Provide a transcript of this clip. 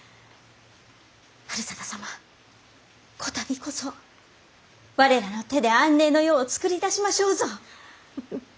治済様こたびこそ我らの手で安寧の世をつくり出しましょうぞ！